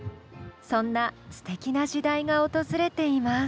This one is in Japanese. そんなすてきな時代が訪れています。